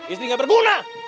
istri gak berguna